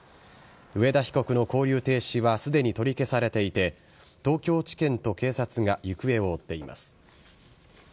上田被告の勾留停止はすでに取り消されていて東京地検と警察が行方を追っています。